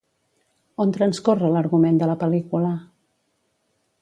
On transcorre l'argument de la pel·lícula?